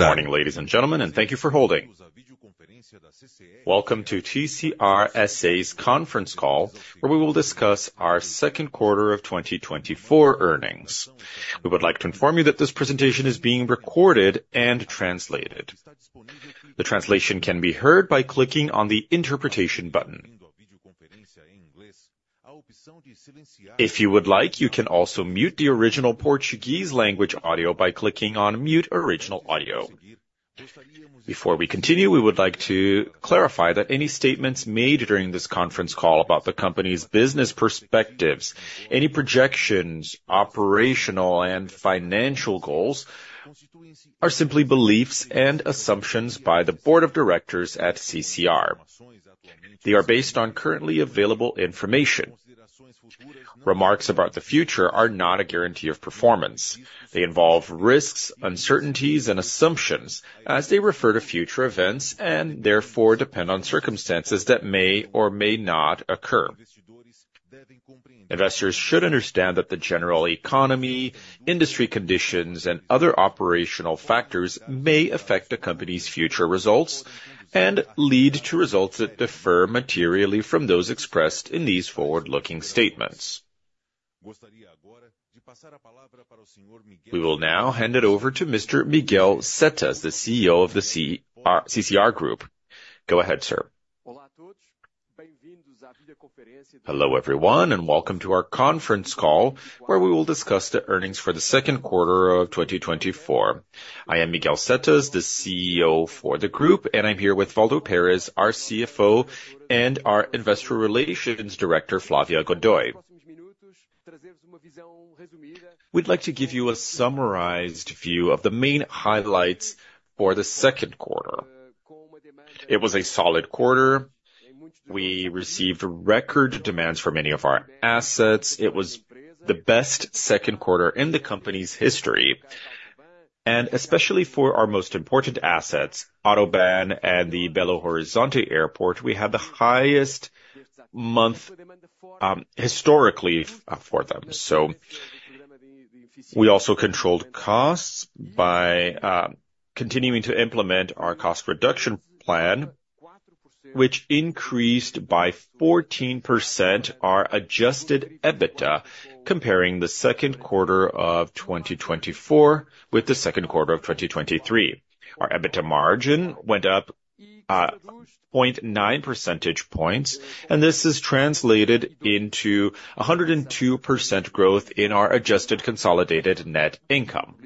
Good morning, ladies and gentlemen, and thank you for holding. Welcome to CCR SA's conference call, where we will discuss our second quarter of 2024 earnings. We would like to inform you that this presentation is being recorded and translated. The translation can be heard by clicking on the Interpretation button. If you would like, you can also mute the original Portuguese language audio by clicking on Mute Original Audio. Before we continue, we would like to clarify that any statements made during this conference call about the company's business perspectives, any projections, operational and financial goals, are simply beliefs and assumptions by the Board of Directors at CCR. They are based on currently available information. Remarks about the future are not a guarantee of performance. They involve risks, uncertainties, and assumptions as they refer to future events, and therefore depend on circumstances that may or may not occur. Investors should understand that the general economy, industry conditions, and other operational factors may affect the company's future results and lead to results that differ materially from those expressed in these forward-looking statements. We will now hand it over to Mr. Miguel Setas, the CEO of the CCR Group. Go ahead, sir. Hello, everyone, and welcome to our conference call, where we will discuss the earnings for the second quarter of 2024. I am Miguel Setas, the CEO for the group, and I'm here with Waldo Perez, our CFO, and our Investor Relations Director, Flávia Godoy. We'd like to give you a summarized view of the main highlights for the second quarter. It was a solid quarter. We received record demands for many of our assets. It was the best second quarter in the company's history, and especially for our most important assets, AutoBAn and the Belo Horizonte Airport, we had the highest month historically for them. So we also controlled costs by continuing to implement our cost reduction plan, which increased by 14% our Adjusted EBITDA, comparing the second quarter of 2024 with the second quarter of 2023. Our EBITDA margin went up 0.9 percentage points, and this is translated into a 102% growth in our adjusted consolidated net income.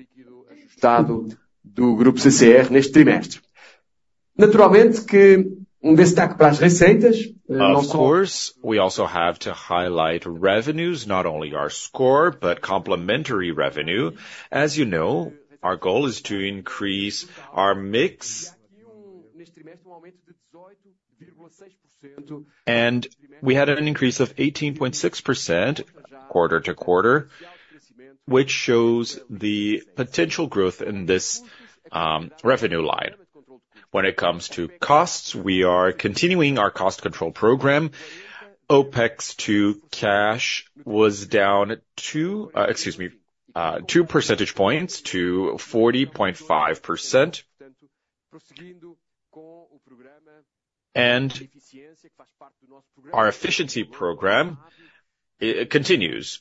Of course, we also have to highlight revenues, not only our core, but complementary revenue. As you know, our goal is to increase our mix, and we had an increase of 18.6% quarter-over-quarter, which shows the potential growth in this revenue line. When it comes to costs, we are continuing our cost control program. OpEx to cash was down two percentage points to 40.5%. Our efficiency program, it continues.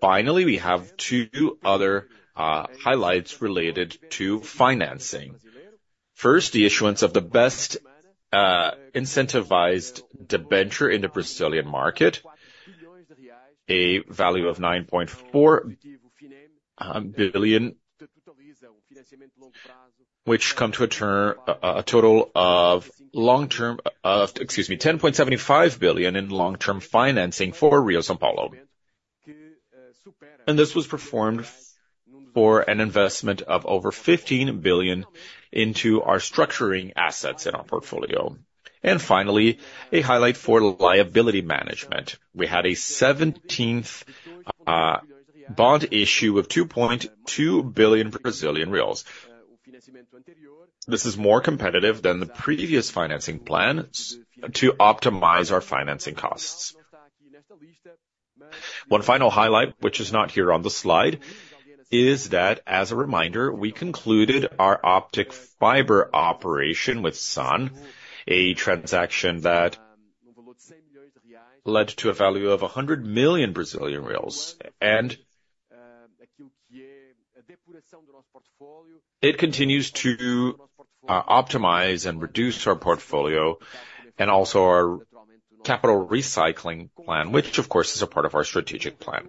Finally, we have two other highlights related to financing. First, the issuance of the best incentivized debenture in the Brazilian market, a value of 9.4 billion, which come to a term, a total of long term 10.75 billion in long-term financing for Rio-São Paulo. This was performed for an investment of over 15 billion into our structuring assets in our portfolio. Finally, a highlight for liability management. We had a seventeenth bond issue of 2.2 billion Brazilian reais. This is more competitive than the previous financing plan to optimize our financing costs. One final highlight, which is not here on the slide, is that, as a reminder, we concluded our optic fiber operation with Samm, a transaction that led to a value of 100 million Brazilian reais, and it continues to optimize and reduce our portfolio and also our capital recycling plan, which, of course, is a part of our strategic plan.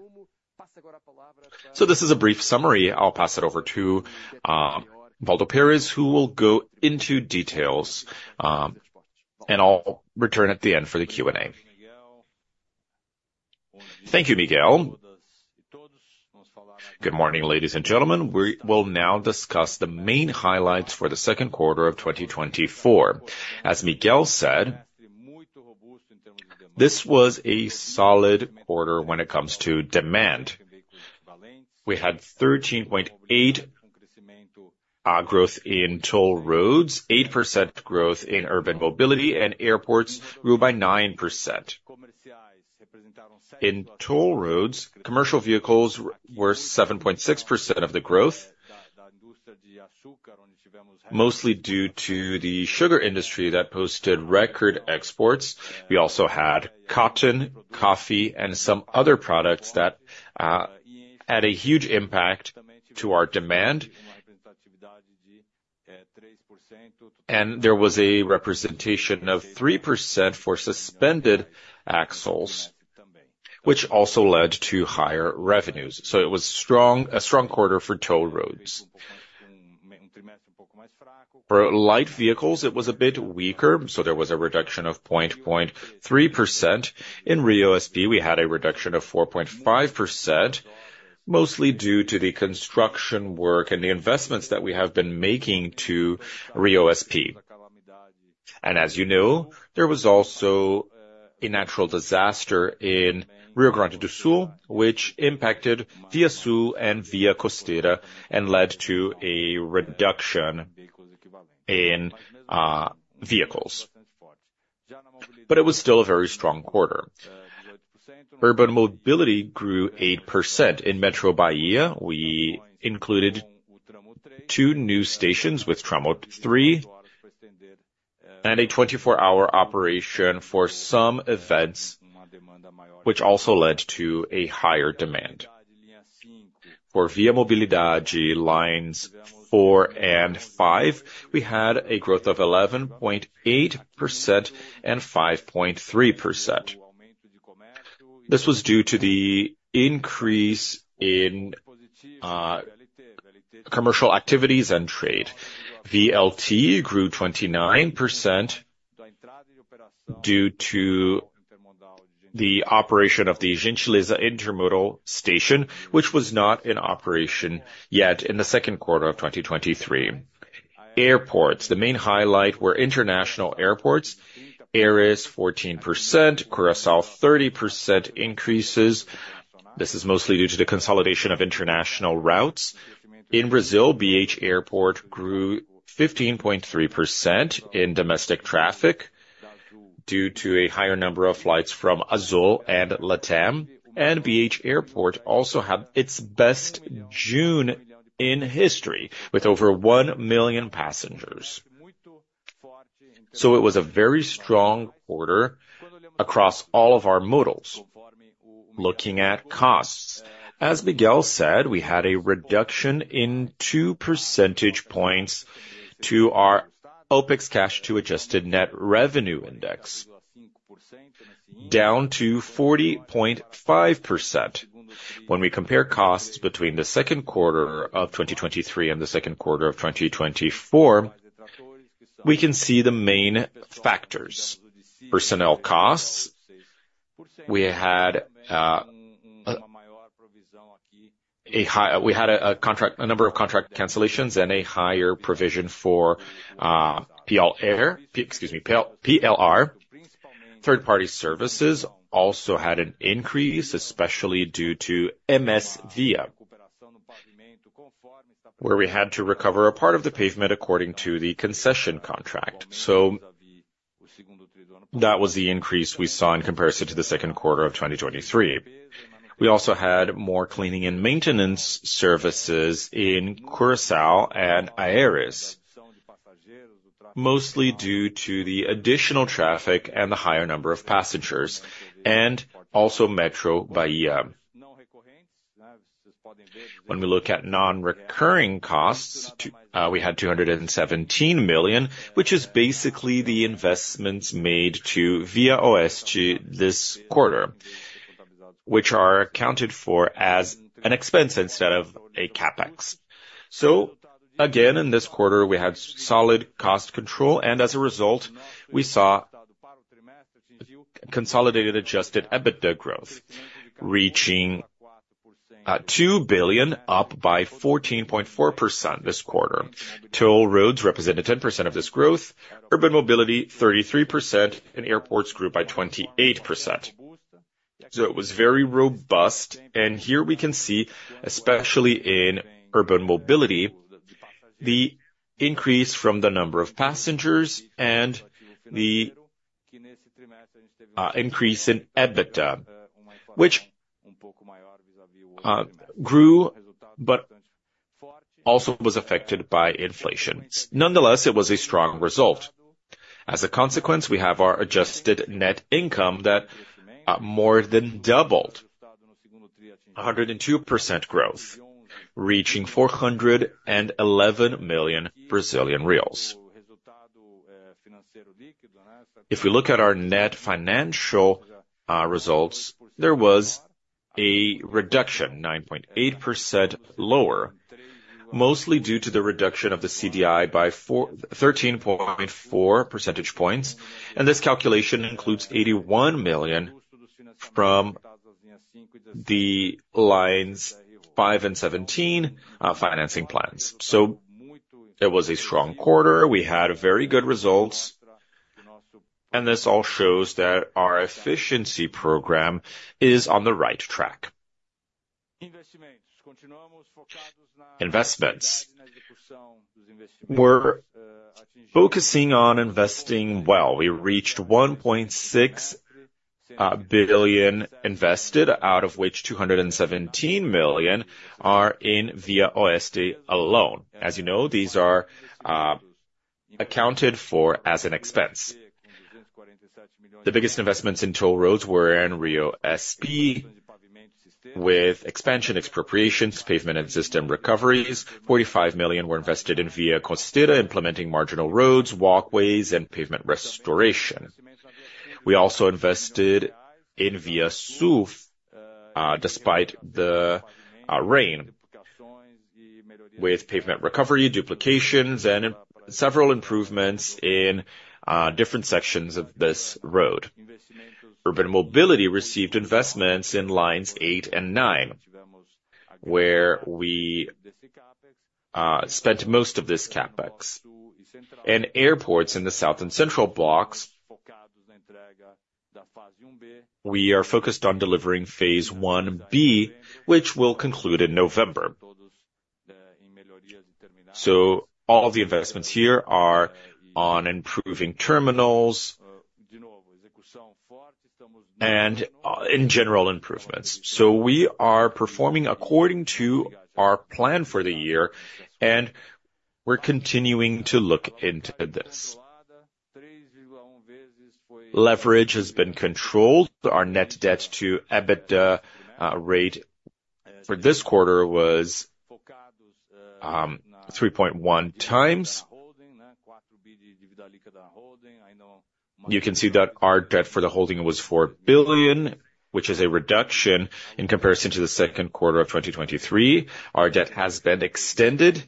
So this is a brief summary. I'll pass it over to Waldo Perez, who will go into details, and I'll return at the end for the Q&A. Thank you, Miguel. Good morning, ladies and gentlemen. We will now discuss the main highlights for the second quarter of 2024. As Miguel said, this was a solid quarter when it comes to demand. We had 13.8% growth in toll roads, 8% growth in urban mobility, and airports grew by 9%. In toll roads, commercial vehicles were 7.6% of the growth, mostly due to the sugar industry that posted record exports. We also had cotton, coffee, and some other products that had a huge impact to our demand. And there was a representation of 3% for suspended axles, which also led to higher revenues. So it was strong, a strong quarter for toll roads. For light vehicles, it was a bit weaker, so there was a reduction of 0.3%. In RioSP, we had a reduction of 4.5%, mostly due to the construction work and the investments that we have been making to RioSP. And as you know, there was also a natural disaster in Rio Grande do Sul, which impacted ViaSul and ViaCosteira and led to a reduction in vehicles. But it was still a very strong quarter. Urban mobility grew 8%. In Metro Bahia, we included two new stations with Tramo 3, and a 24-hour operation for some events, which also led to a higher demand. For ViaMobilidade, Lines 4 and 5, we had a growth of 11.8% and 5.3%. This was due to the increase in commercial activities and trade. VLT grew 29% due to the operation of the Terminal Intermodal Gentileza, which was not in operation yet in the second quarter of 2023. Airports, the main highlight were international airports. Aeris, 14%, Curaçao, 30% increases. This is mostly due to the consolidation of international routes. In Brazil, BH Airport grew 15.3% in domestic traffic due to a higher number of flights from Azul and LATAM, and BH Airport also had its best June in history, with over one million passengers. So it was a very strong quarter across all of our modals. Looking at costs, as Miguel said, we had a reduction in two percentage points to our OpEx cash to adjusted net revenue index, down to 40.5%. When we compare costs between the second quarter of 2023 and the second quarter of 2024, we can see the main factors. Personnel costs, we had a number of contract cancellations and a higher provision for PLR. Third-party services also had an increase, especially due to MSVia, where we had to recover a part of the pavement according to the concession contract. So that was the increase we saw in comparison to the second quarter of 2023. We also had more cleaning and maintenance services in Curaçao and Aeris, mostly due to the additional traffic and the higher number of passengers, and also Metrô Bahia. When we look at non-recurring costs, we had 217 million, which is basically the investments made to ViaOeste this quarter, which are accounted for as an expense instead of a CapEx. So again, in this quarter, we had solid cost control, and as a result, we saw consolidated Adjusted EBITDA growth reaching 2 billion, up by 14.4% this quarter. Toll roads represented 10% of this growth, urban mobility, 33%, and airports grew by 28%. So it was very robust, and here we can see, especially in urban mobility, the increase from the number of passengers and the increase in EBITDA, which grew but also was affected by inflation. Nonetheless, it was a strong result. As a consequence, we have our adjusted net income that more than doubled, 102% growth, reaching BRL 411 million. If we look at our net financial results, there was a reduction, 9.8% lower, mostly due to the reduction of the CDI by 4-13.4 percentage points, and this calculation includes 81 million from the Lines 5 and 17 financing plans. So it was a strong quarter. We had very good results. This all shows that our efficiency program is on the right track. Investments. We're focusing on investing well. We reached 1.6 billion invested, out of which 217 million are in ViaOeste alone. As you know, these are accounted for as an expense. The biggest investments in toll roads were in RioSP, with expansion, expropriations, pavement and system recoveries. 45 million were invested in ViaCosteira, implementing marginal roads, walkways, and pavement restoration. We also invested in ViaSul, despite the rain, with pavement recovery, duplications, and several improvements in different sections of this road. Urban mobility received investments in Lines 8 and 9, where we spent most of this CapEx. Airports in the south and central blocks, we are focused on delivering phase IB, which will conclude in November. So all the investments here are on improving terminals and in general, improvements. So we are performing according to our plan for the year, and we're continuing to look into this. Leverage has been controlled. Our net debt to EBITDA rate for this quarter was 3.1 times. You can see that our debt for the holding was 4 billion, which is a reduction in comparison to the second quarter of 2023. Our debt has been extended.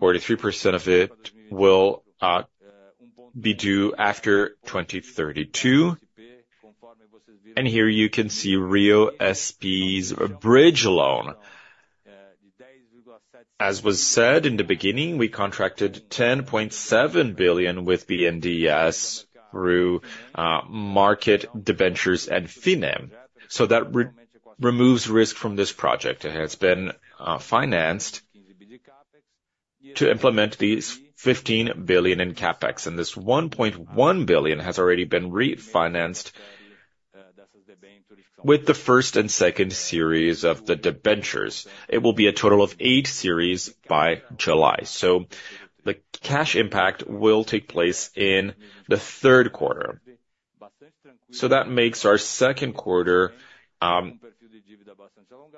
43% of it will be due after 2032. And here you can see RioSP's bridge loan. As was said in the beginning, we contracted 10.7 billion with BNDES through market debentures and FINEM. So that removes risk from this project. It has been financed to implement these 15 billion in CapEx, and this 1.1 billion has already been refinanced with the first and second series of the debentures. It will be a total of eight series by July. So the cash impact will take place in the third quarter. So that makes our second quarter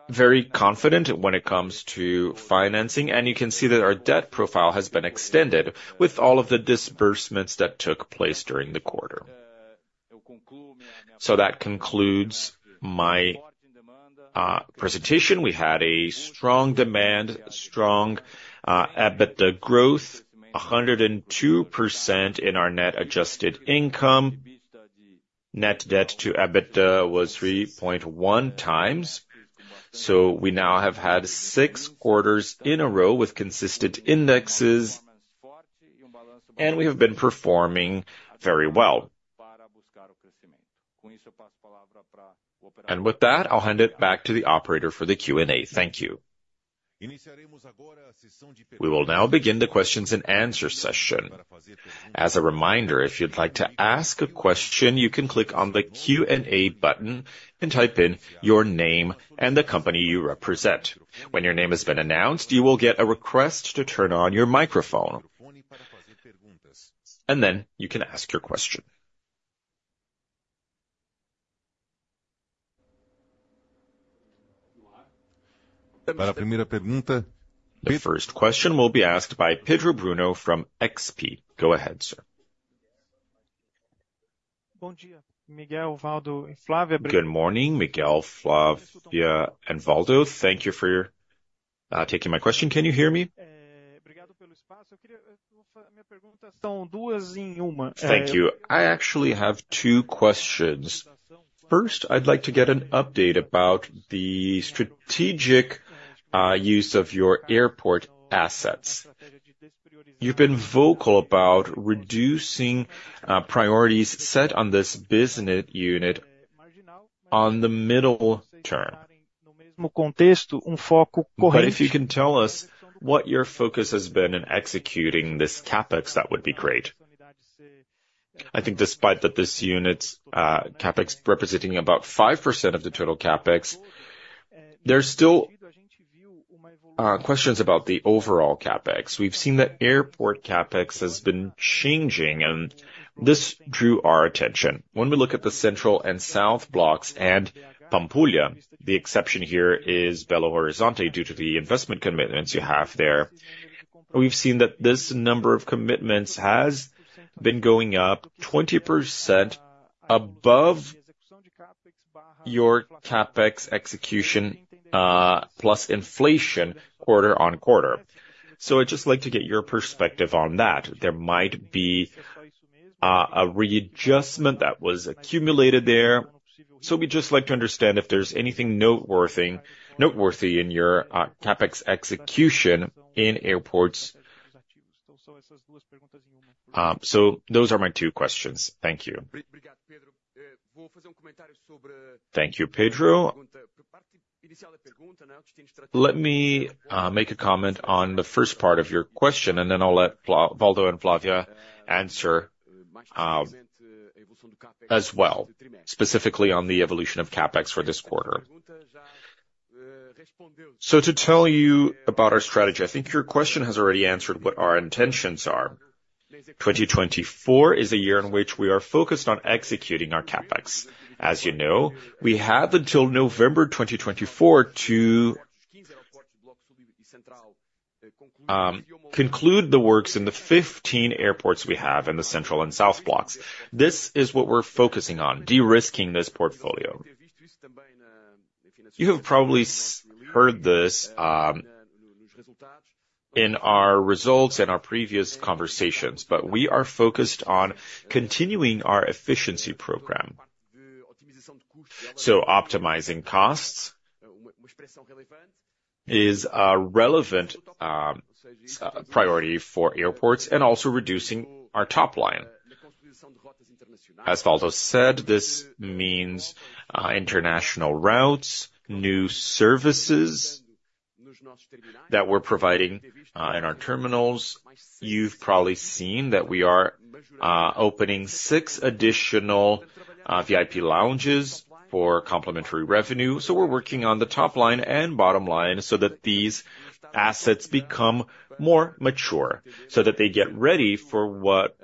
very confident when it comes to financing, and you can see that our debt profile has been extended with all of the disbursements that took place during the quarter. So that concludes my presentation. We had a strong demand, strong EBITDA growth, 102% in our net adjusted income. Net debt to EBITDA was 3.1 times. So we now have had six quarters in a row with consistent indexes, and we have been performing very well. With that, I'll hand it back to the operator for the Q&A. Thank you. We will now begin the questions and answer session. As a reminder, if you'd like to ask a question, you can click on the Q&A button and type in your name and the company you represent. When your name has been announced, you will get a request to turn on your microphone, and then you can ask your question. The first question will be asked by Pedro Bruno from XP. Go ahead, sir. Good morning, Miguel, Flávia, and Waldo. Thank you for taking my question. Can you hear me? Thank you. I actually have two questions. First, I'd like to get an update about the strategic use of your airport assets. You've been vocal about reducing priorities set on this business unit on the middle term. But if you can tell us what your focus has been in executing this CapEx, that would be great. I think despite that this unit's CapEx representing about 5% of the total CapEx, there's still questions about the overall CapEx. We've seen that airport CapEx has been changing, and this drew our attention. When we look at the central and south blocks and Pampulha, the exception here is Belo Horizonte, due to the investment commitments you have there. We've seen that this number of commitments has been going up 20% above your CapEx execution, plus inflation quarter on quarter. So I'd just like to get your perspective on that. There might be a readjustment that was accumulated there. So we'd just like to understand if there's anything noteworthy in your CapEx execution in airports. So those are my two questions. Thank you. Thank you, Pedro. Let me make a comment on the first part of your question, and then I'll let Waldo and Flávia answer, as well, specifically on the evolution of CapEx for this quarter. So to tell you about our strategy, I think your question has already answered what our intentions are. 2024 is a year in which we are focused on executing our CapEx. As you know, we have until November 2024 to conclude the works in the 15 airports we have in the central and south blocks. This is what we're focusing on, de-risking this portfolio. You have probably heard this in our results, in our previous conversations, but we are focused on continuing our efficiency program. So optimizing costs is a relevant priority for airports and also reducing our top line. As Waldo said, this means international routes, new services that we're providing in our terminals. You've probably seen that we are opening six additional VIP lounges for complimentary revenue, so we're working on the top line and bottom line so that these assets become more mature, so that they get ready for what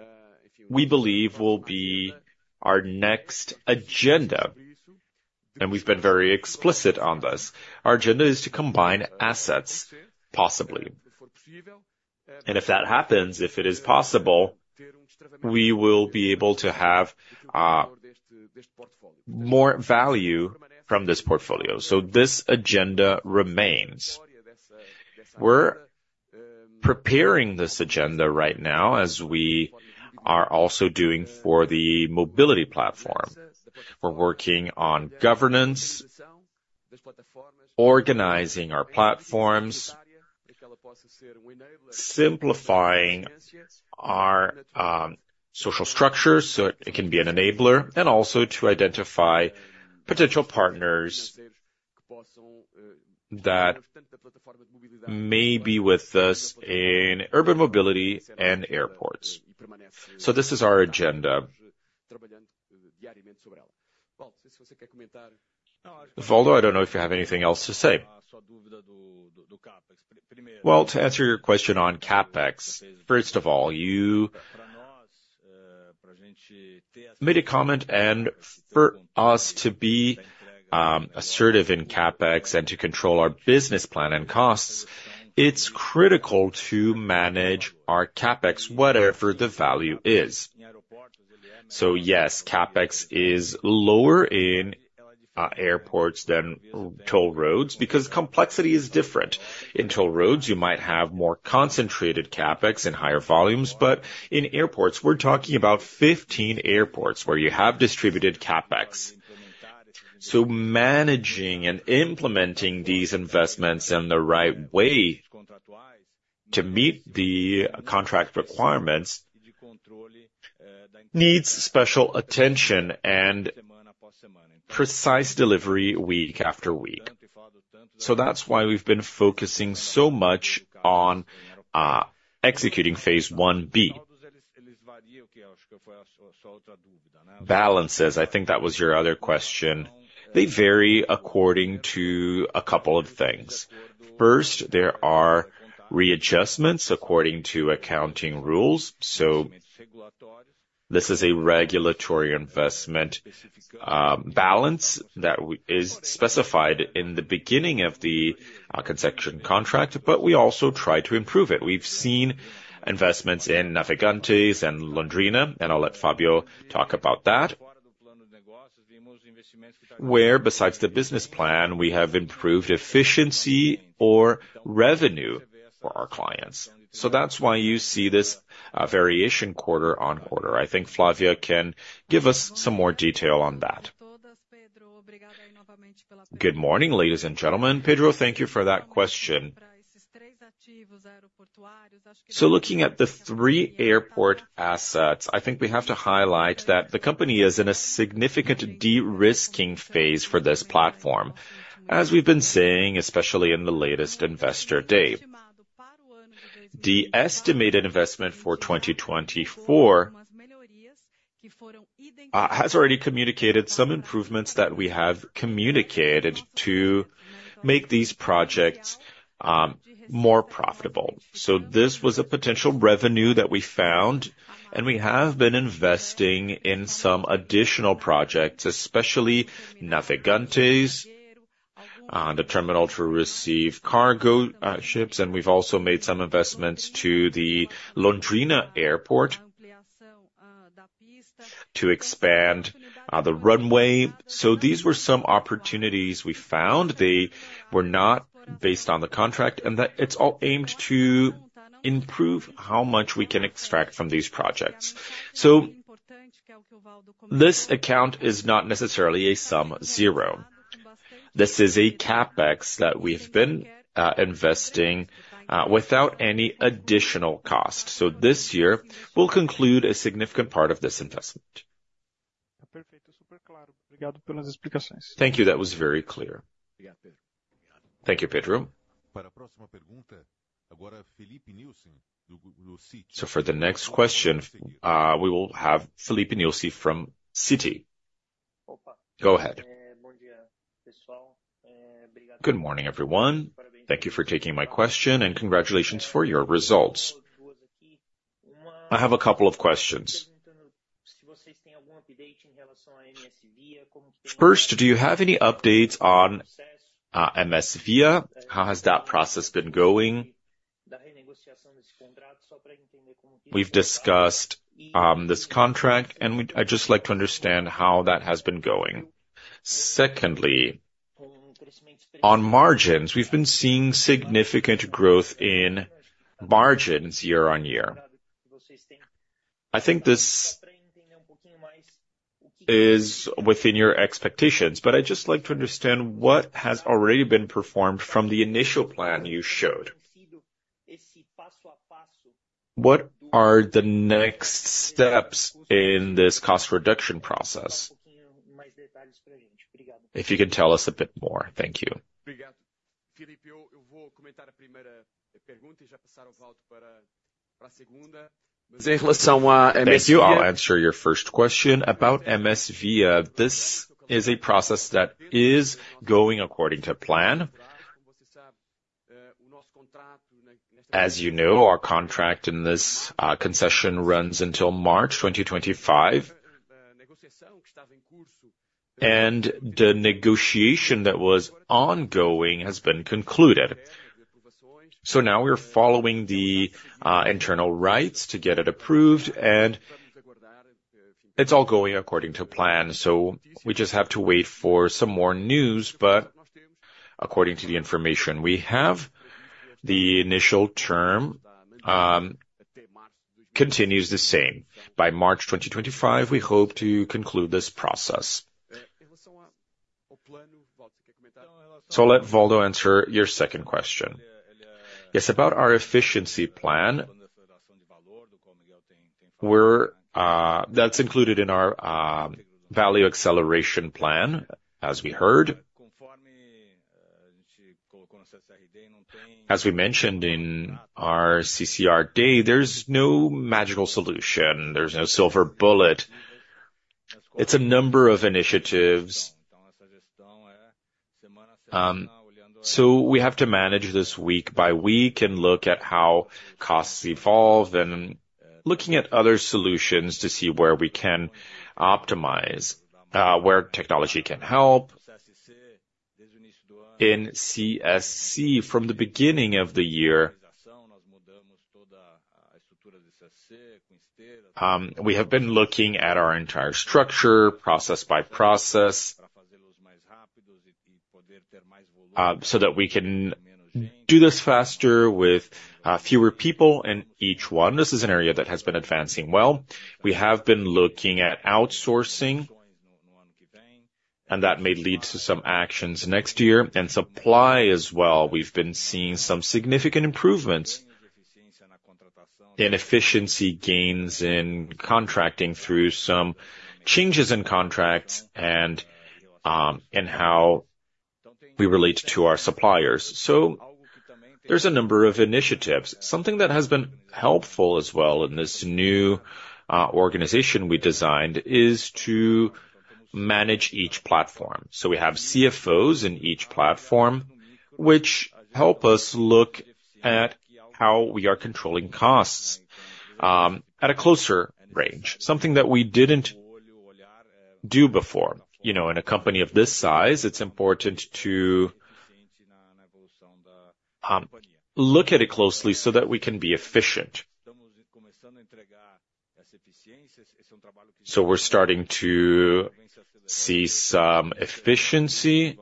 we believe will be our next agenda, and we've been very explicit on this. Our agenda is to combine assets, possibly. And if that happens, if it is possible, we will be able to have more value from this portfolio, so this agenda remains. We're preparing this agenda right now, as we are also doing for the mobility platform. We're working on governance, organizing our platforms, simplifying our social structure, so it can be an enabler, and also to identify potential partners that may be with us in urban mobility and airports. So this is our agenda. Waldo, I don't know if you have anything else to say. Well, to answer your question on CapEx, first of all, you made a comment and for us to be assertive in CapEx and to control our business plan and costs, it's critical to manage our CapEx, whatever the value is. So yes, CapEx is lower in airports than toll roads because complexity is different. In toll roads, you might have more concentrated CapEx and higher volumes, but in airports, we're talking about 15 airports where you have distributed CapEx. So managing and implementing these investments in the right way to meet the contract requirements needs special attention and precise delivery week after week. So that's why we've been focusing so much on executing phase IB. Balances, I think that was your other question. They vary according to a couple of things. First, there are readjustments according to accounting rules, so this is a regulatory investment balance that is specified in the beginning of the concession contract, but we also try to improve it. We've seen investments in Navegantes and Londrina, and I'll let Fabio talk about that. Where besides the business plan, we have improved efficiency or revenue for our clients. So that's why you see this variation quarter on quarter. I think Flávia can give us some more detail on that. Good morning, ladies and gentlemen. Pedro, thank you for that question. So looking at the three airport assets, I think we have to highlight that the company is in a significant de-risking phase for this platform. As we've been saying, especially in the latest investor date. The estimated investment for 2024 has already communicated some improvements that we have communicated to make these projects more profitable. So this was a potential revenue that we found, and we have been investing in some additional projects, especially Navegantes, the terminal to receive cargo ships, and we've also made some investments to the Londrina Airport to expand the runway. So these were some opportunities we found. They were not based on the contract, and that it's all aimed to improve how much we can extract from these projects. So this account is not necessarily a sum zero.... This is a CapEx that we've been investing without any additional cost. So this year, we'll conclude a significant part of this investment. Thank you. That was very clear. Thank you, Pedro. So for the next question, we will have Filipe Nielsen from Citi. Go ahead. Good morning, everyone. Thank you for taking my question, and congratulations for your results. I have a couple of questions. First, do you have any updates on MSVia? How has that process been going? We've discussed this contract, and we- I'd just like to understand how that has been going. Secondly, on margins, we've been seeing significant growth in margins year on year. I think this is within your expectations, but I'd just like to understand what has already been performed from the initial plan you showed. What are the next steps in this cost reduction process? If you could tell us a bit more. Thank you. I'll answer your first question about MSVia. This is a process that is going according to plan. As you know, our contract in this concession runs until March 2025. The negotiation that was ongoing has been concluded. So now we're following the internal rights to get it approved, and it's all going according to plan. So we just have to wait for some more news, but according to the information we have, the initial term continues the same. By March 2025, we hope to conclude this process. So I'll let Waldo answer your second question. Yes, about our efficiency plan, we're that's included in our value acceleration plan, as we heard. As we mentioned in our CCR day, there's no magical solution. There's no silver bullet. It's a number of initiatives. So we have to manage this week by week and look at how costs evolve, and looking at other solutions to see where we can optimize, where technology can help. In CSC, from the beginning of the year, we have been looking at our entire structure, process by process, so that we can do this faster with, fewer people in each one. This is an area that has been advancing well. We have been looking at outsourcing, and that may lead to some actions next year, and supply as well. We've been seeing some significant improvements in efficiency gains in contracting through some changes in contracts and, in how we relate to our suppliers. So there's a number of initiatives. Something that has been helpful as well in this new organization we designed is to manage each platform. So we have CFOs in each platform, which help us look at how we are controlling costs at a closer range, something that we didn't do before. You know, in a company of this size, it's important to look at it closely so that we can be efficient. So we're starting to see some efficiency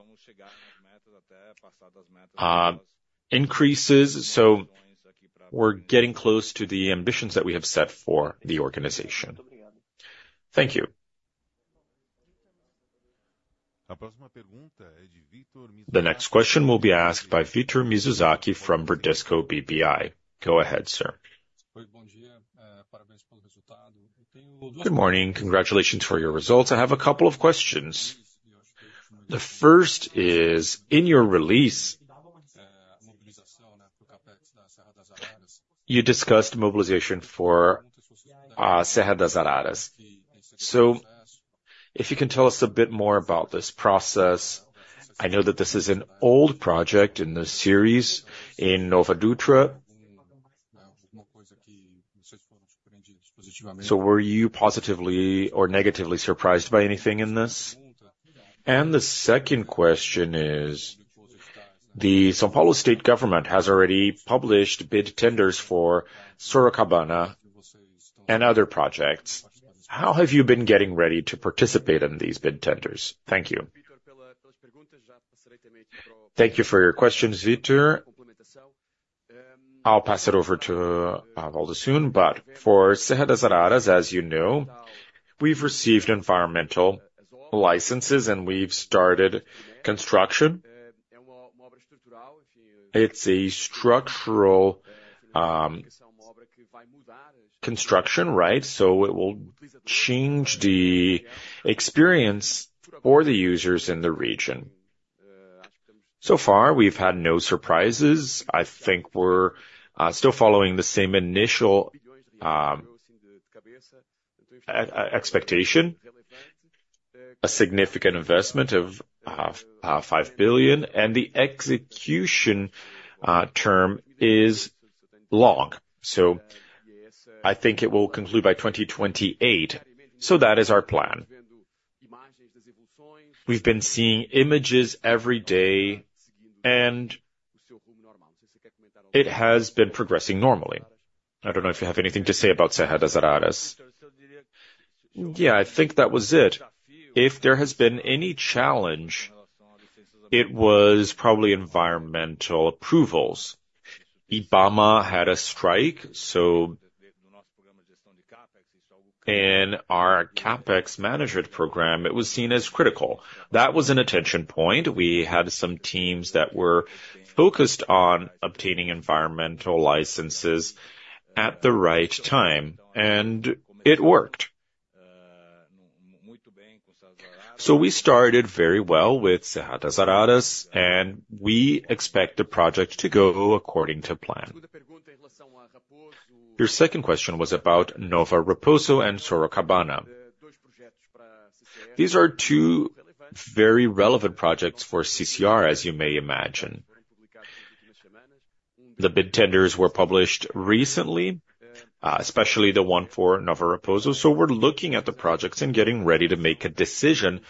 increases, so we're getting close to the ambitions that we have set for the organization. Thank you. The next question will be asked by Victor Mizusaki from Bradesco BBI. Go ahead, sir. Good morning. Congratulations for your results. I have a couple of questions. The first is: in your release, you discussed mobilization for Serra das Araras. So if you can tell us a bit more about this process, I know that this is an old project in the series in Nova Dutra. So were you positively or negatively surprised by anything in this? And the second question is: the São Paulo state government has already published bid tenders for Sorocabana and other projects. How have you been getting ready to participate in these bid tenders? Thank you. Thank you for your questions, Victor. I'll pass it over to Waldo soon, but for Serra das Araras, as you know, we've received environmental licenses, and we've started construction. It's a structural construction, right? So it will change the experience for the users in the region. So far, we've had no surprises. I think we're still following the same initial expectation. A significant investment of 5 billion, and the execution term is long. So I think it will conclude by 2028. So that is our plan. We've been seeing images every day, and it has been progressing normally. I don't know if you have anything to say about Serra das Araras. Yeah, I think that was it. If there has been any challenge, it was probably environmental approvals. IBAMA had a strike, so in our CapEx management program, it was seen as critical. That was an attention point. We had some teams that were focused on obtaining environmental licenses at the right time, and it worked. So we started very well with Serra das Araras, and we expect the project to go according to plan. Your second question was about Nova Raposo and Sorocabana. These are two very relevant projects for CCR, as you may imagine. The bid tenders were published recently, especially the one for Nova Raposo. So we're looking at the projects and getting ready to make a decision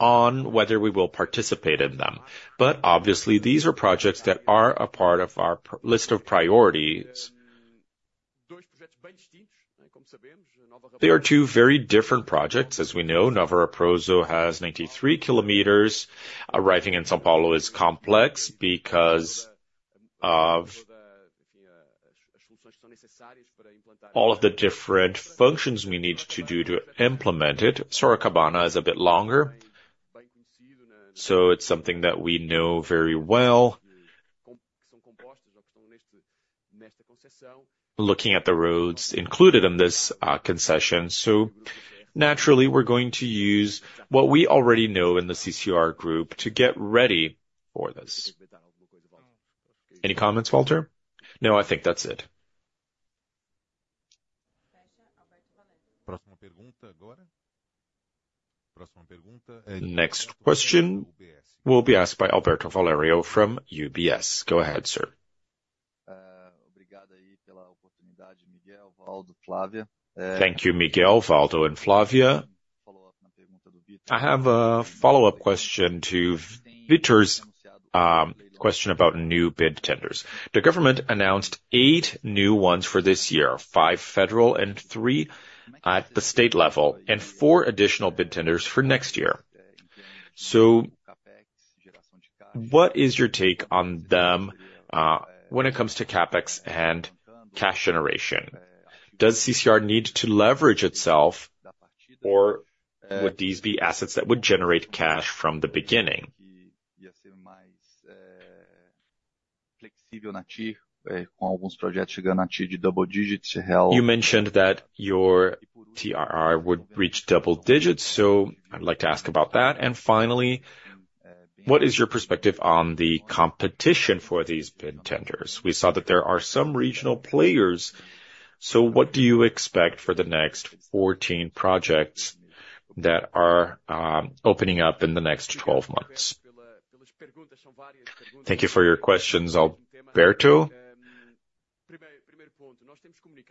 on whether we will participate in them. But obviously, these are projects that are a part of our list of priorities. They are two very different projects. As we know, Nova Raposo has 93 km. Arriving in São Paulo is complex because of all of the different functions we need to do to implement it. Sorocabana is a bit longer, so it's something that we know very well. Looking at the roads included in this concession, so naturally, we're going to use what we already know in the CCR Group to get ready for this. Any comments, Waldo? No, I think that's it. Next question will be asked by Alberto Valerio from UBS. Go ahead, sir. Thank you, Miguel, Waldo, and Flávia. I have a follow-up question to Victor's question about new bid tenders. The government announced eight new ones for this year, five federal and three at the state level, and four additional bid tenders for next year. So what is your take on them, when it comes to CapEx and cash generation? Does CCR need to leverage itself, or would these be assets that would generate cash from the beginning? You mentioned that your TRR would reach double digits, so I'd like to ask about that. And finally, what is your perspective on the competition for these bid tenders? We saw that there are some regional players, so what do you expect for the next 14 projects that are opening up in the next 12 months? Thank you for your questions, Alberto.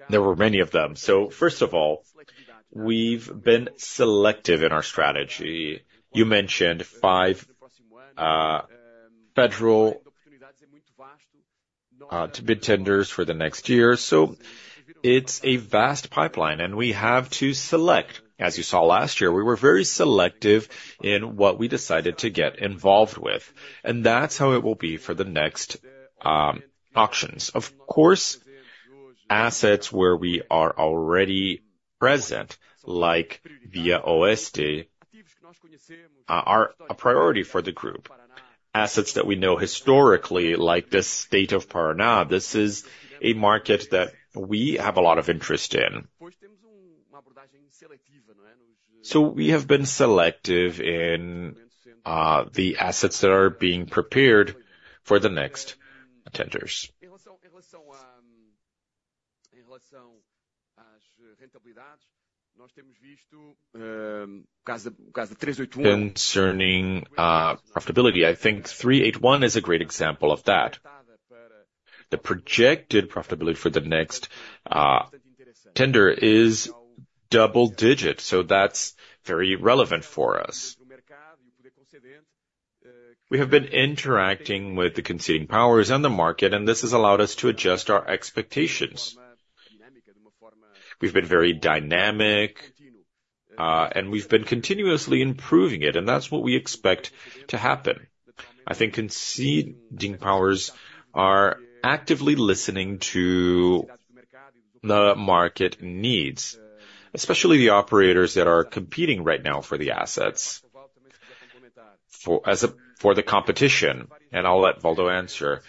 There were many of them. So first of all, we've been selective in our strategy. You mentioned five federal bid tenders for the next year, so it's a vast pipeline, and we have to select. As you saw last year, we were very selective in what we decided to get involved with, and that's how it will be for the next auctions. Of course, assets where we are already present, like ViaOeste, are a priority for the group. Assets that we know historically, like the state of Paraná, this is a market that we have a lot of interest in. So we have been selective in the assets that are being prepared for the next tenders. Concerning profitability, I think 381 is a great example of that. The projected profitability for the next tender is double digits, so that's very relevant for us. We have been interacting with the conceding powers on the market, and this has allowed us to adjust our expectations. We've been very dynamic, and we've been continuously improving it, and that's what we expect to happen. I think conceding powers are actively listening to the market needs, especially the operators that are competing right now for the assets. For the competition, and I'll let Waldo answer,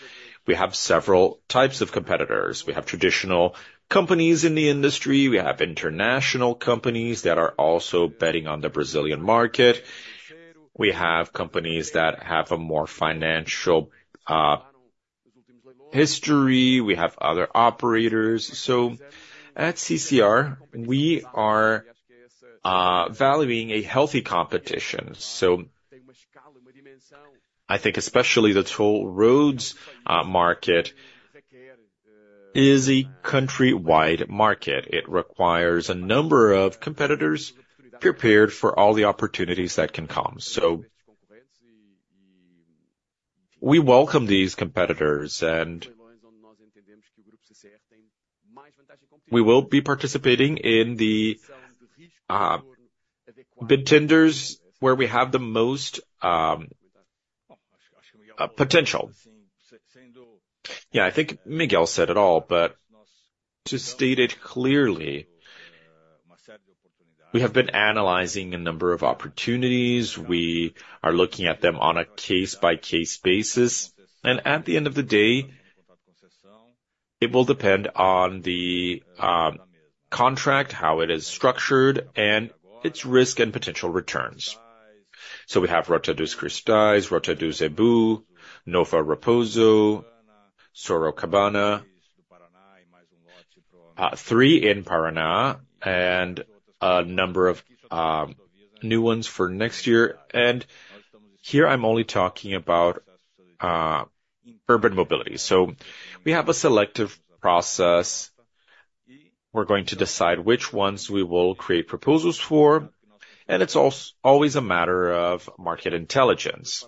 we have several types of competitors. We have traditional companies in the industry, we have international companies that are also betting on the Brazilian market. We have companies that have a more financial history. We have other operators. So at CCR, we are valuing a healthy competition. So I think especially the toll roads market is a countrywide market. It requires a number of competitors prepared for all the opportunities that can come. So we welcome these competitors, and we will be participating in the tenders where we have the most potential. Yeah, I think Miguel said it all, but to state it clearly, we have been analyzing a number of opportunities. We are looking at them on a case-by-case basis, and at the end of the day, it will depend on the contract, how it is structured, and its risk and potential returns. So we have Rota dos Cristais, Rota do Zebu, Nova Raposo, Sorocabana, three in Paraná, and a number of new ones for next year. And here I'm only talking about urban mobility. So we have a selective process. We're going to decide which ones we will create proposals for, and it's always a matter of market intelligence.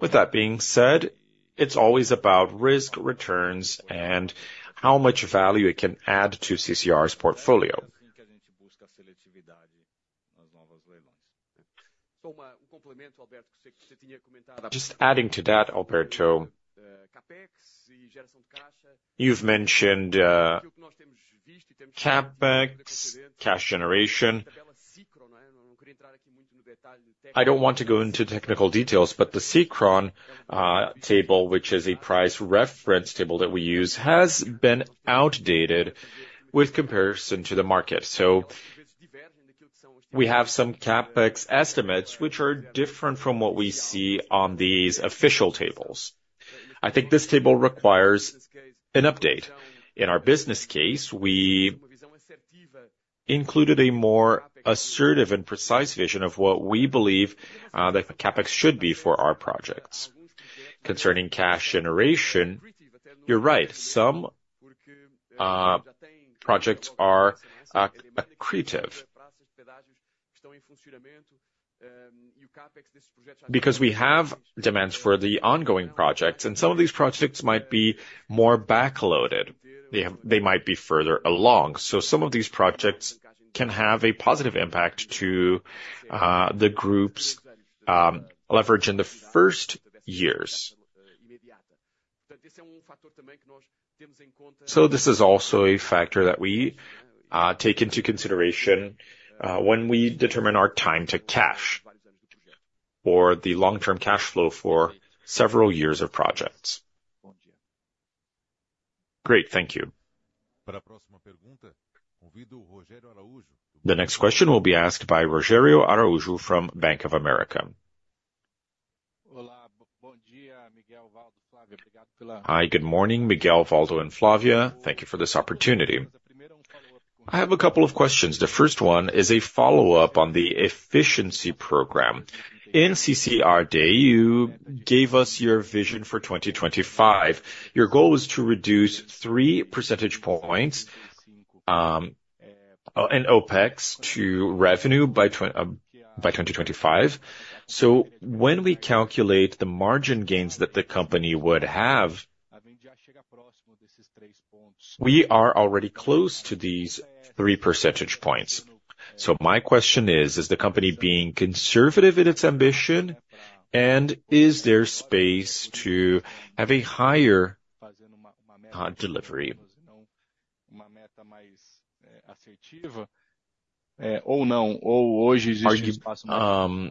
With that being said, it's always about risk, returns, and how much value it can add to CCR's portfolio. Just adding to that, Alberto, you've mentioned, CapEx, cash generation. I don't want to go into technical details, but the SICRO table, which is a price reference table that we use, has been outdated with comparison to the market. So we have some CapEx estimates which are different from what we see on these official tables. I think this table requires an update. In our business case, we've included a more assertive and precise vision of what we believe, the CapEx should be for our projects. Concerning cash generation, you're right. Some projects are accretive. Because we have demands for the ongoing projects, and some of these projects might be more backloaded. They might be further along. Some of these projects can have a positive impact to the group's leverage in the first years. This is also a factor that we take into consideration when we determine our time to cash or the long-term cash flow for several years of projects. Great. Thank you. The next question will be asked by Rogério Araújo from Bank of America. Hi, good morning, Miguel, Waldo, and Flávia. Thank you for this opportunity. I have a couple of questions. The first one is a follow-up on the efficiency program. In CCR Day, you gave us your vision for 2025. Your goal was to reduce three percentage points in OpEx to revenue by 2025. So when we calculate the margin gains that the company would have, we are already close to these three percentage points. So my question is: Is the company being conservative in its ambition, and is there space to have a higher delivery? Are you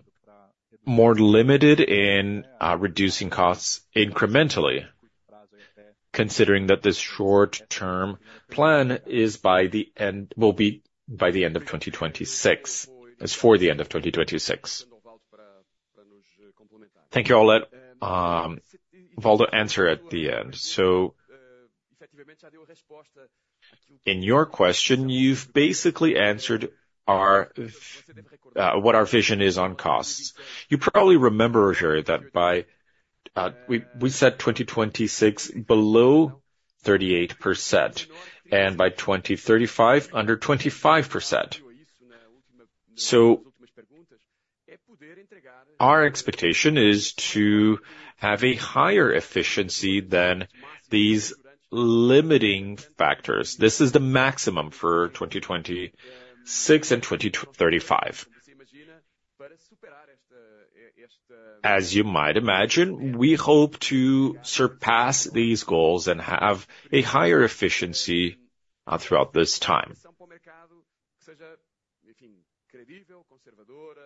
more limited in reducing costs incrementally, considering that this short-term plan will be by the end of 2026, as for the end of 2026? Thank you. I'll let Waldo answer at the end. So in your question, you've basically answered our what our vision is on costs. You probably remember, Rogério, that by we said 2026, below 38%, and by 2035, under 25%. Our expectation is to have a higher efficiency than these limiting factors. This is the maximum for 2026 and 2035. As you might imagine, we hope to surpass these goals and have a higher efficiency throughout this time.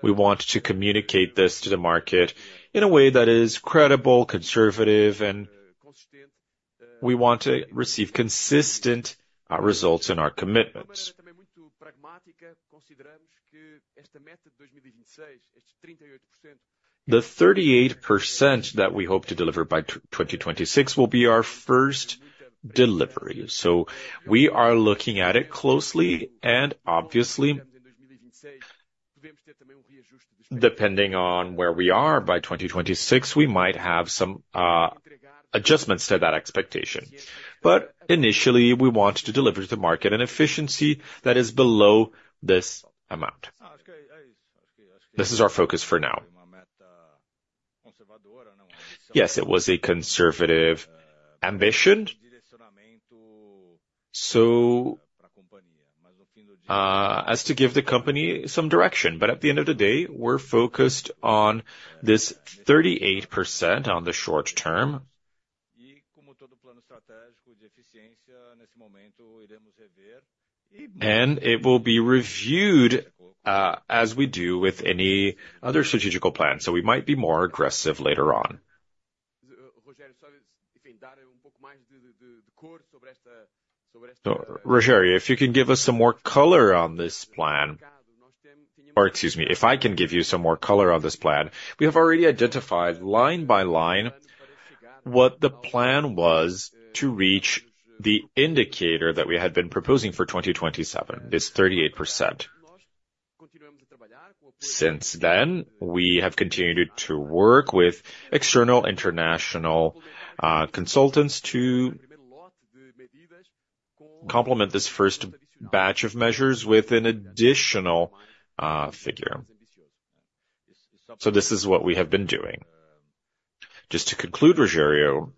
We want to communicate this to the market in a way that is credible, conservative, and we want to receive consistent results in our commitments. The 38% that we hope to deliver by 2026 will be our first delivery, so we are looking at it closely, and obviously, depending on where we are by 2026, we might have some adjustments to that expectation. But initially, we want to deliver to the market an efficiency that is below this amount. This is our focus for now. Yes, it was a conservative ambition, so, as to give the company some direction, but at the end of the day, we're focused on this 38% on the short term. And it will be reviewed, as we do with any other strategic plan, so we might be more aggressive later on. So Rogério, if you can give us some more color on this plan, or excuse me, if I can give you some more color on this plan. We have already identified line by line, what the plan was to reach the indicator that we had been proposing for 2027, this 38%. Since then, we have continued to work with external, international, consultants to complement this first batch of measures with an additional, figure. So this is what we have been doing. Just to conclude, Rogério,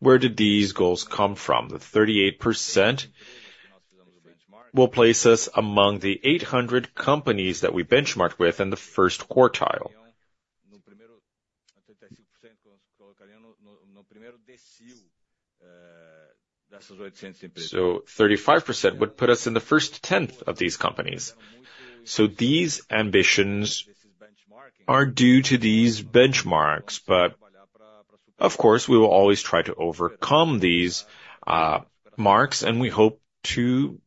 where did these goals come from? The 38% will place us among the 800 companies that we benchmarked with in the first quartile. So 35% would put us in the first tenth of these companies. So these ambitions are due to these benchmarks, but of course, we will always try to overcome these, marks, and we hope to,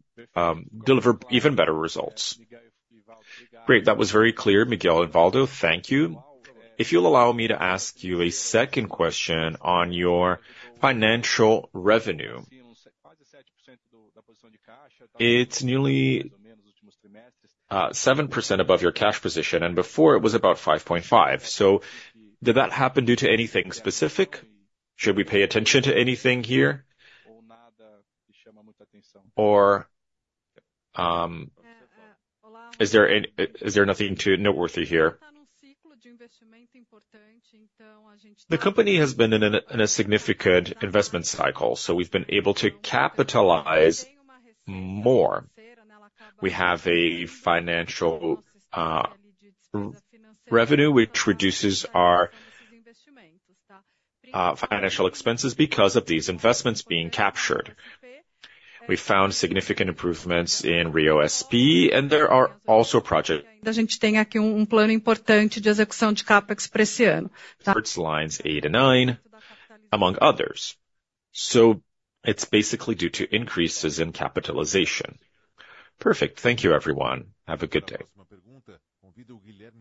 deliver even better results. Great. That was very clear, Miguel and Waldo. Thank you. If you'll allow me to ask you a second question on your financial revenue. It's nearly, seven percent above your cash position, and before it was about 5.5. So did that happen due to anything specific? Should we pay attention to anything here? Or, is there nothing too noteworthy here? The company has been in a significant investment cycle, so we've been able to capitalize more. We have a financial revenue, which reduces our financial expenses because of these investments being captured. We found significant improvements in RioSP, and there are also projects, Lines 8 and 9, among others. So it's basically due to increases in capitalization. Perfect. Thank you, everyone. Have a good day.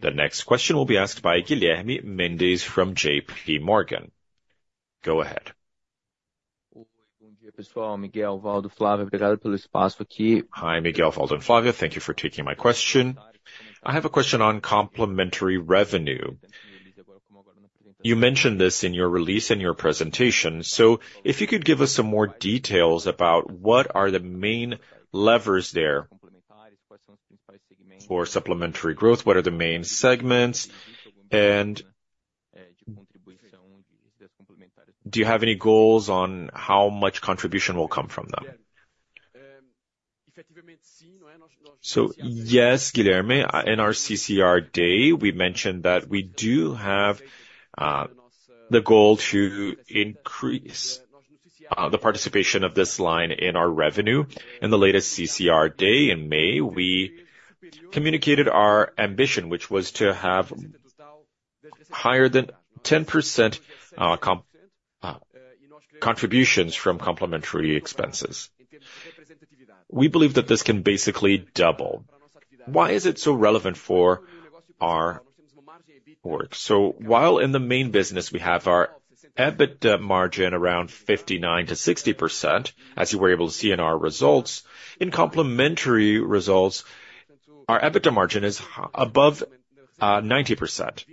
The next question will be asked by Guilherme Mendes from JPMorgan. Go ahead. Hi, Miguel, Waldo, and Flávia. Thank you for taking my question. I have a question on complementary revenue. You mentioned this in your release and your presentation, so if you could give us some more details about what are the main levers there for supplementary growth, what are the main segments, and do you have any goals on how much contribution will come from them? Yes, Guilherme, in our CCR day, we mentioned that we do have the goal to increase the participation of this line in our revenue. In the latest CCR day in May, we communicated our ambition, which was to have higher than 10% contributions from complementary expenses. We believe that this can basically double. Why is it so relevant for our work? So while in the main business we have our EBITDA margin around 59%-60%, as you were able to see in our results, in complementary results, our EBITDA margin is above 90%.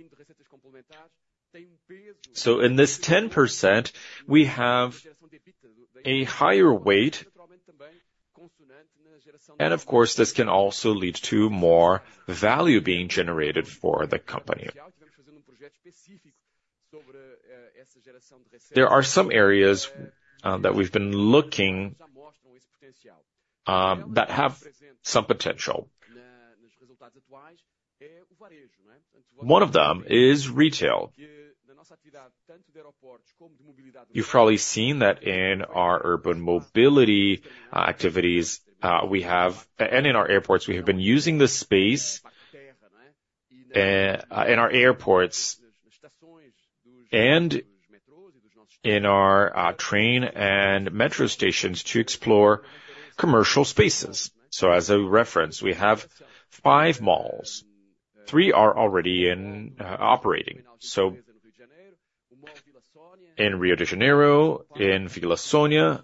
So in this 10%, we have a higher weight. Of course, this can also lead to more value being generated for the company. There are some areas that we've been looking that have some potential. One of them is retail. You've probably seen that in our urban mobility activities, we have and in our airports, we have been using the space in our airports and in our train and metro stations to explore commercial spaces. So as a reference, we have five malls. Three are already in operating. So in Rio de Janeiro, in Vila Sônia,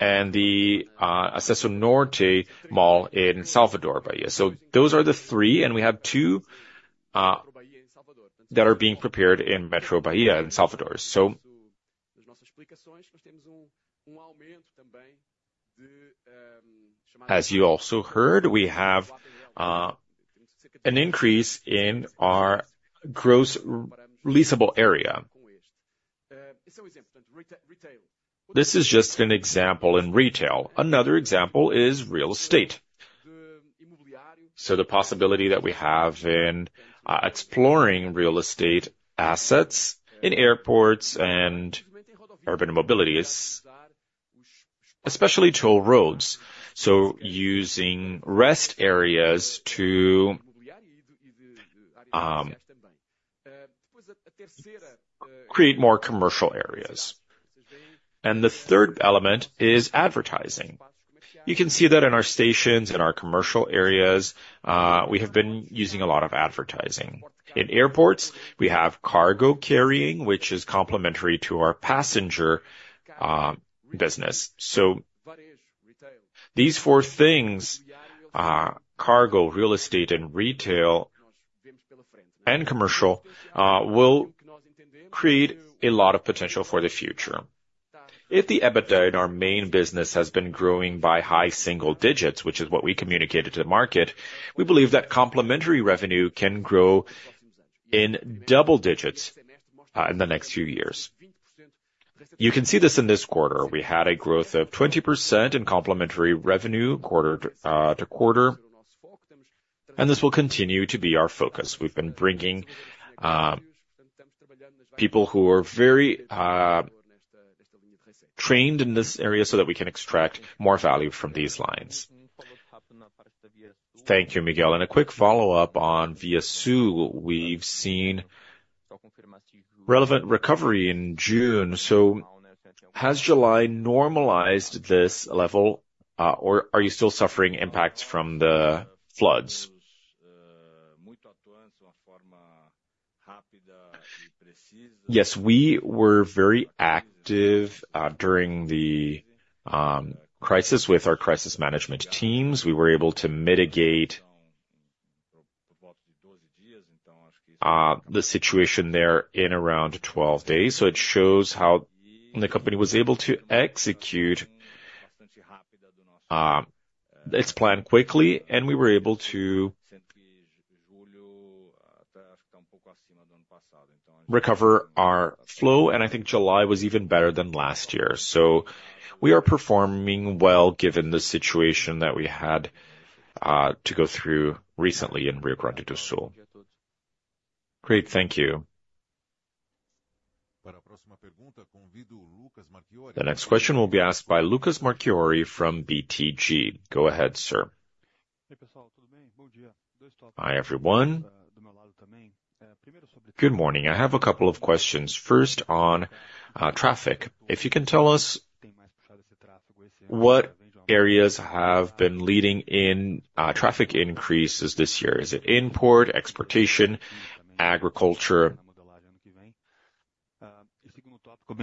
and the Acesso Norte mall in Salvador, Bahia. So those are the three, and we have two that are being prepared in Metrô Bahia in Salvador. So, as you also heard, we have an increase in our gross leasable area. This is just an example in retail. Another example is real estate. So the possibility that we have in exploring real estate assets in airports and urban mobility is especially toll roads. So using rest areas to create more commercial areas. And the third element is advertising. You can see that in our stations, in our commercial areas, we have been using a lot of advertising. In airports, we have cargo carrying, which is complementary to our passenger business. So these four things, cargo, real estate, and retail, and commercial, will create a lot of potential for the future. If the EBITDA in our main business has been growing by high single digits, which is what we communicated to the market, we believe that complementary revenue can grow in double digits in the next few years. You can see this in this quarter. We had a growth of 20% in complementary revenue, quarter to quarter, and this will continue to be our focus. We've been bringing people who are very trained in this area so that we can extract more value from these lines. Thank you, Miguel. And a quick follow-up on ViaSul. We've seen relevant recovery in June, so has July normalized this level, or are you still suffering impacts from the floods? Yes, we were very active during the crisis with our crisis management teams. We were able to mitigate the situation there in around 12 days, so it shows how the company was able to execute its plan quickly, and we were able to recover our flow, and I think July was even better than last year. So we are performing well, given the situation that we had to go through recently in Rio Grande do Sul. Great. Thank you. The next question will be asked by Lucas Marquiori from BTG. Go ahead, sir. Hi, everyone. Good morning. I have a couple of questions. First, on traffic. If you can tell us what areas have been leading in traffic increases this year? Is it import, exportation, agriculture?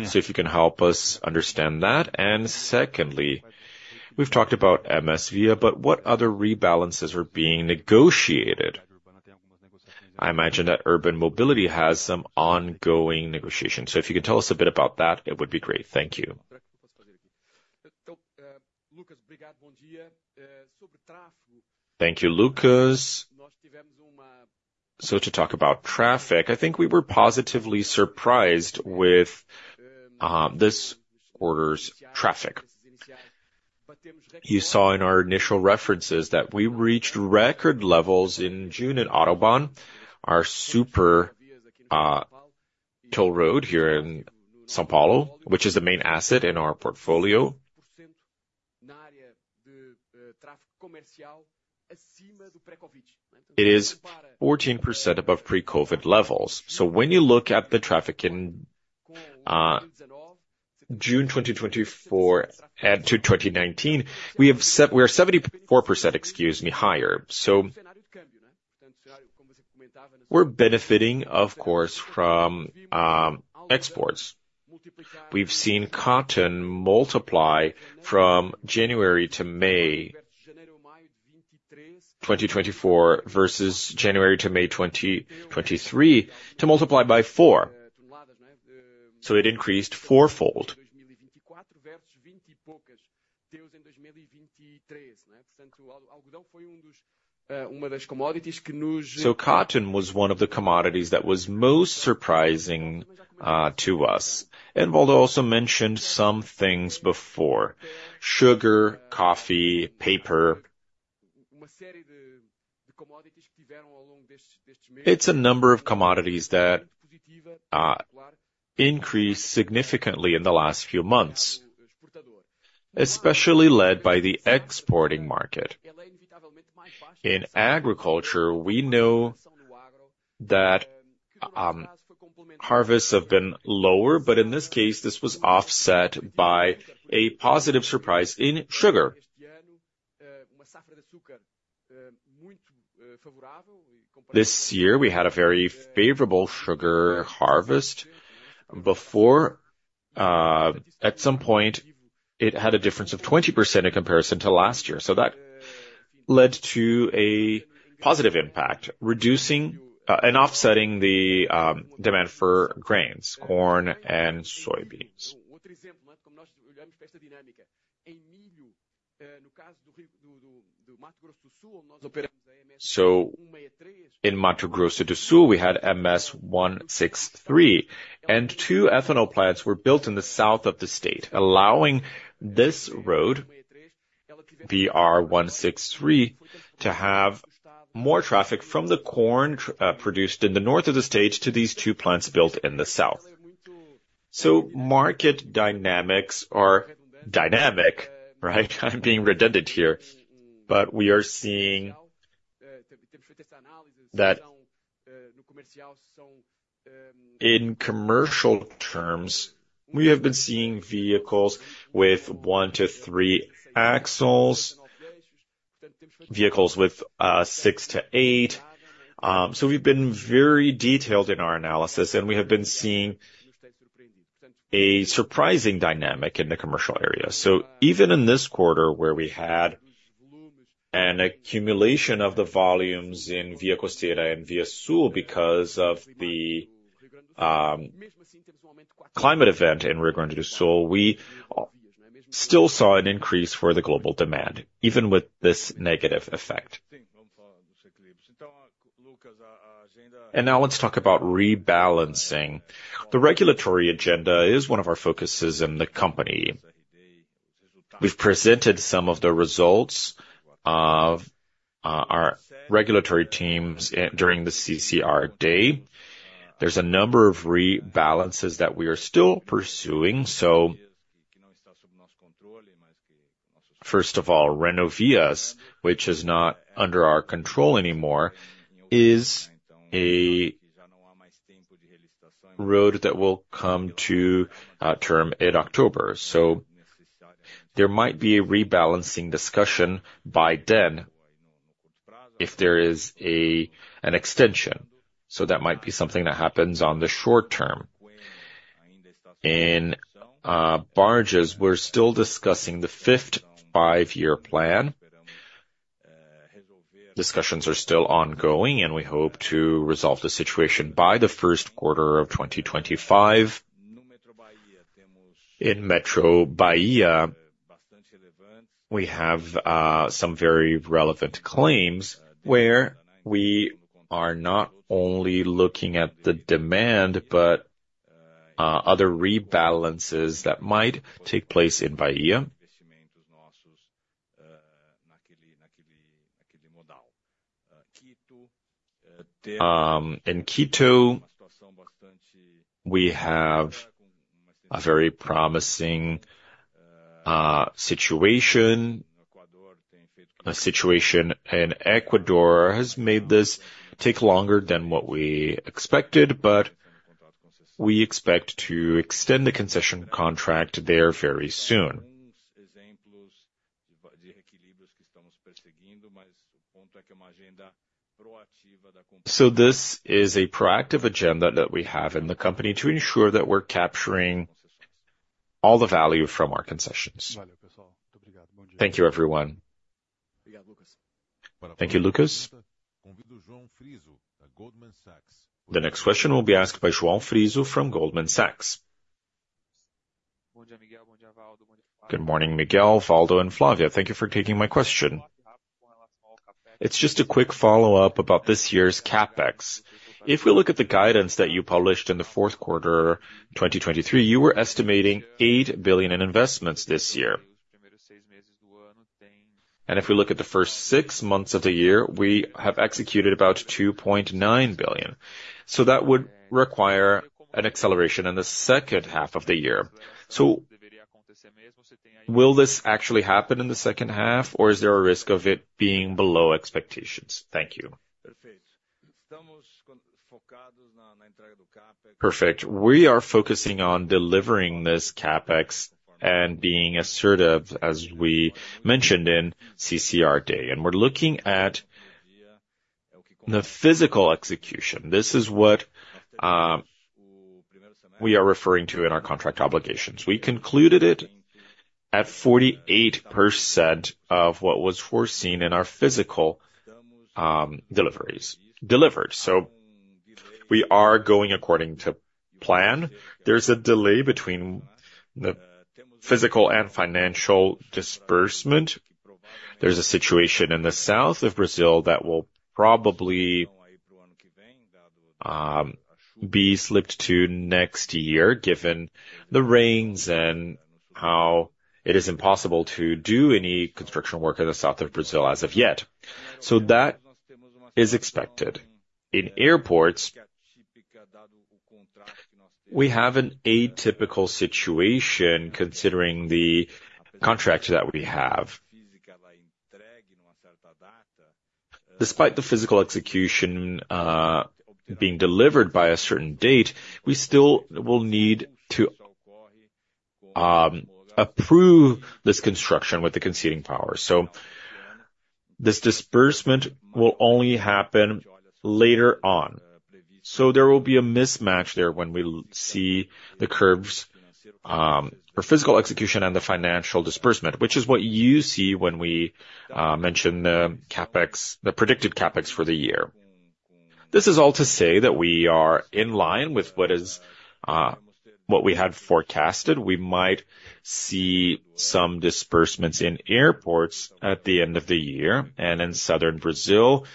So if you can help us understand that. And secondly, we've talked about MSVia, but what other rebalances are being negotiated? I imagine that urban mobility has some ongoing negotiations, so if you could tell us a bit about that, it would be great. Thank you. Thank you, Lucas. So to talk about traffic, I think we were positively surprised with this quarter's traffic. You saw in our initial references that we reached record levels in June in AutoBAn, our super toll road here in São Paulo, which is the main asset in our portfolio. It is 14% above pre-COVID levels. So when you look at the traffic in June 2024 to 2019, we are 74%, excuse me, higher. So we're benefiting, of course, from exports. We've seen cotton multiply from January to May 2024 versus January to May 2023, to multiply by four.... So it increased fourfold. So cotton was one of the commodities that was most surprising, to us, and Waldo also mentioned some things before: sugar, coffee, paper. It's a number of commodities that increased significantly in the last few months, especially led by the exporting market. In agriculture, we know that harvests have been lower, but in this case, this was offset by a positive surprise in sugar. This year, we had a very favorable sugar harvest. Before, at some point, it had a difference of 20% in comparison to last year, so that led to a positive impact, reducing and offsetting the demand for grains, corn, and soybeans. So in Mato Grosso do Sul, we had MS-163, and two ethanol plants were built in the south of the state, allowing this road, BR-163, to have more traffic from the corn produced in the north of the state to these two plants built in the south. So market dynamics are dynamic, right? I'm being redundant here, but we are seeing that in commercial terms, we have been seeing vehicles with one to three axles, vehicles with six to eight. So we've been very detailed in our analysis, and we have been seeing a surprising dynamic in the commercial area. So even in this quarter, where we had an accumulation of the volumes in ViaCosteira and ViaSul because of the climate event in Rio Grande do Sul, we still saw an increase for the global demand, even with this negative effect. Now let's talk about rebalancing. The regulatory agenda is one of our focuses in the company. We've presented some of the results of our regulatory teams during the CCR Day. There's a number of rebalances that we are still pursuing, so first of all, Renovias, which is not under our control anymore, is a road that will come to term in October, so there might be a rebalancing discussion by then if there is an extension, so that might be something that happens on the short term. In VLTs, we're still discussing the fifth five-year plan. Discussions are still ongoing, and we hope to resolve the situation by the first quarter of 2025. In Metro Bahia, we have some very relevant claims, where we are not only looking at the demand, but other rebalances that might take place in Bahia. In Quito, we have a very promising situation. A situation in Ecuador has made this take longer than what we expected, but we expect to extend the concession contract there very soon. So this is a proactive agenda that we have in the company to ensure that we're capturing all the value from our concessions. Thank you, everyone. Thank you, Lucas. The next question will be asked by João Frizo from Goldman Sachs. Good morning, Miguel, Waldo, and Flávia. Thank you for taking my question. It's just a quick follow-up about this year's CapEx. If we look at the guidance that you published in the fourth quarter, 2023, you were estimating 8 billion in investments this year. And if we look at the first six months of the year, we have executed about 2.9 billion. So that would require an acceleration in the second half of the year. So will this actually happen in the second half, or is there a risk of it being below expectations? Thank you. Perfect. We are focusing on delivering this CapEx and being assertive, as we mentioned in CCR Day, and we're looking at the physical execution. This is what we are referring to in our contract obligations. We concluded it at 48% of what was foreseen in our physical-... Deliveries delivered. So we are going according to plan. There's a delay between the physical and financial disbursement. There's a situation in the south of Brazil that will probably be slipped to next year, given the rains and how it is impossible to do any construction work in the south of Brazil as of yet. So that is expected. In airports, we have an atypical situation, considering the contract that we have. Despite the physical execution being delivered by a certain date, we still will need to approve this construction with the conceding power. So this disbursement will only happen later on, so there will be a mismatch there when we see the curves, or physical execution and the financial disbursement, which is what you see when we mention the CapEx, the predicted CapEx for the year. This is all to say that we are in line with what is, what we had forecasted. We might see some disbursements in airports at the end of the year, and in southern Brazil,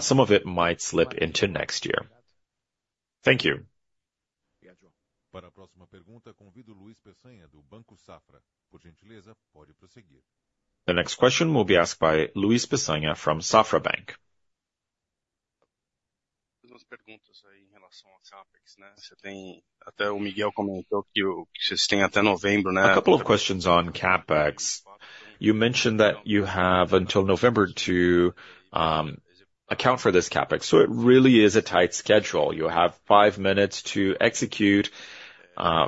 some of it might slip into next year. Thank you. The next question will be asked by Luiz Peçanha from Safra. A couple of questions on CapEx. You mentioned that you have until November to, account for this CapEx, so it really is a tight schedule. You have five minutes to execute,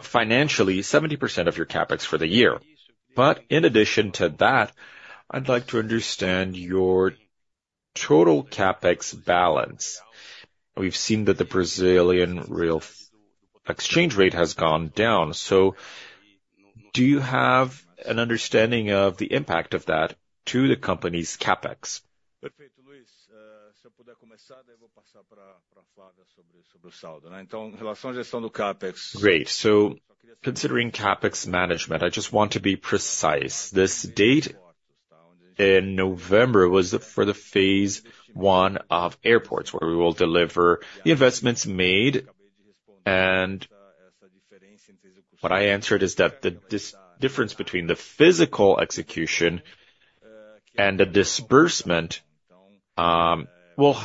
financially, 70% of your CapEx for the year. But in addition to that, I'd like to understand your total CapEx balance. We've seen that the Brazilian real exchange rate has gone down, so do you have an understanding of the impact of that to the company's CapEx? Great. So considering CapEx management, I just want to be precise. This date in November was for the phase one of airports, where we will deliver the investments made. And what I answered is that the difference between the physical execution and the disbursement will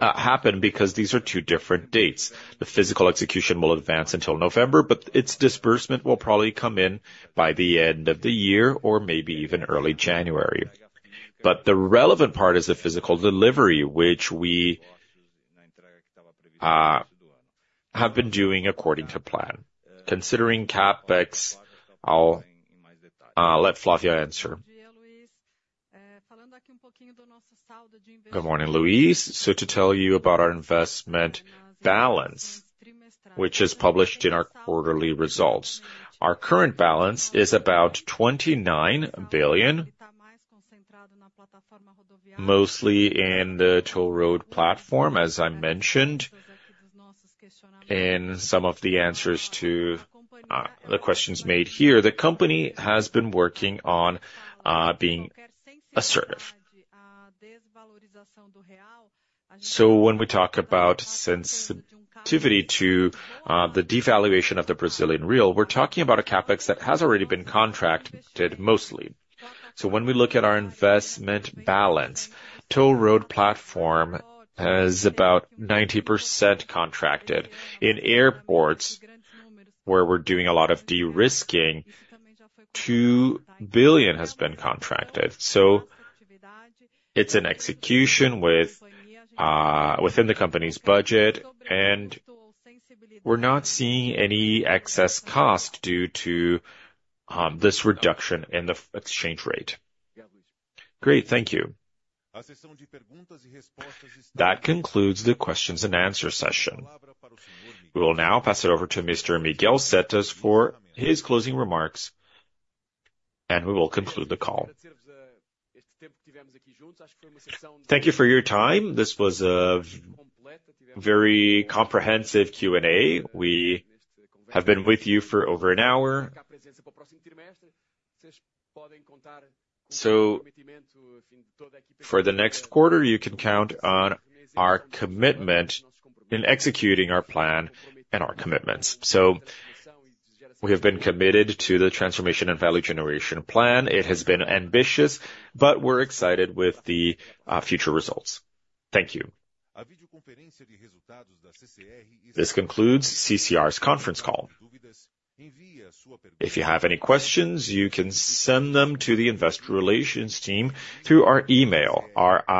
happen, because these are two different dates. The physical execution will advance until November, but its disbursement will probably come in by the end of the year or maybe even early January. But the relevant part is the physical delivery, which we have been doing according to plan. Considering CapEx, I'll let Flávia answer. Good morning, Luiz. So to tell you about our investment balance, which is published in our quarterly results. Our current balance is about 29 billion, mostly in the toll road platform, as I mentioned, in some of the answers to the questions made here. The company has been working on being assertive. So when we talk about sensitivity to the devaluation of the Brazilian real, we're talking about a CapEx that has already been contracted, mostly. So when we look at our investment balance, toll road platform is about 90% contracted. In airports, where we're doing a lot of de-risking, 2 billion has been contracted. So it's an execution with within the company's budget, and we're not seeing any excess cost due to this reduction in the FX exchange rate. Great. Thank you. That concludes the questions and answer session. We will now pass it over to Mr. Miguel Setas for his closing remarks, and we will conclude the call. Thank you for your time. This was a very comprehensive Q&A. We have been with you for over an hour. So for the next quarter, you can count on our commitment in executing our plan and our commitments. So we have been committed to the transformation and value generation plan. It has been ambitious, but we're excited with the future results. Thank you. This concludes CCR's conference call. If you have any questions, you can send them to the investor relations team through our email, our I-